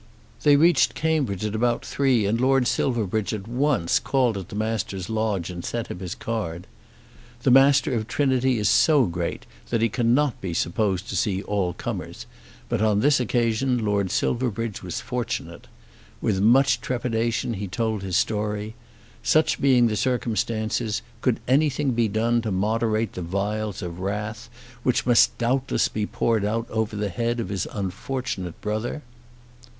They reached Cambridge at about three, and Lord Silverbridge at once called at the Master's lodge and sent in his card. The Master of Trinity is so great that he cannot be supposed to see all comers, but on this occasion Lord Silverbridge was fortunate. With much trepidation he told his story. Such being the circumstances, could anything be done to moderate the vials of wrath which must doubtless be poured out over the head of his unfortunate brother?